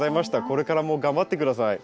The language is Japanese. これからも頑張って下さい。